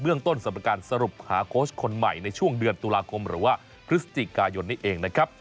เรื่องต้นสำหรับการสรุปหาโค้ชคนใหม่ในช่วงเดือนตุลาคมหรือว่าพฤศจิกายนนี้เองนะครับ